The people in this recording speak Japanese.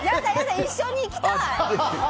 一緒に行きたい！